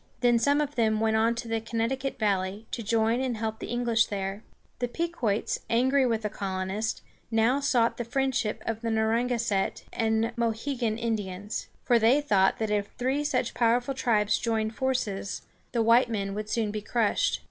Then some of them went on to the Connecticut valley, to join and help the English there. The Pequots, angry with the colonists, now sought the friendship of the Narragansett and Mo he´gan Indians; for they thought that if three such powerful tribes joined forces, the white men would soon be crushed.